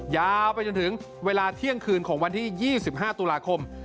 ยาวไปจนถึงเวลาเที่ยงคืนของวันที่๒๕ตุลาคม